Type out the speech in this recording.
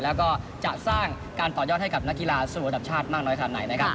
แล้วก็จะสร้างการต่อยอดให้กับนักกีฬาสู่ระดับชาติมากน้อยขนาดไหนนะครับ